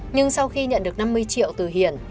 nhưng sau khi nhận được năm mươi triệu từ hiển